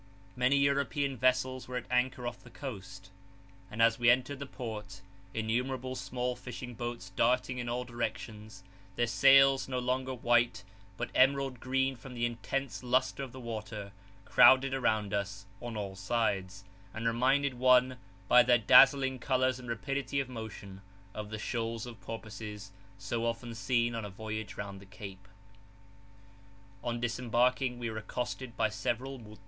Many European vessels were at anchor off the coast: and as we entered the port, innumerable small fishing boats darting in all directions, their sails no longer white, but emerald green from the intense lustre of the water, crowded around us on all sides, and reminded one by their dazzling colours and rapidity of motion of the shoals of porpoises so often seen on a voyage round the Cape. On disembarking we were accosted by several mut?